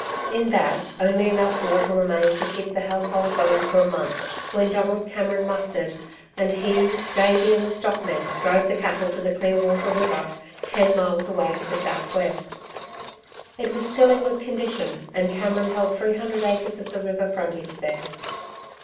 In that only enough water remained to keep the household going for a month, when Donald Cameron mustered, and he, Davey, and the stockmen drove the cattle to the Clearwater River, ten miles away to the south west. It was still in good condition and Cameron held three hundred acres of the river frontage there.